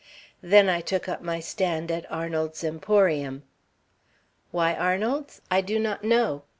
Then I took up my stand at Arnold's emporium. Why Arnold's? I do not know.